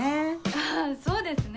あぁそうですね。